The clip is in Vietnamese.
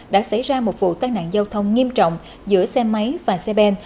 đã xảy ra một vụ tai nạn giao thông nghiêm trọng giữa xe máy và xe ben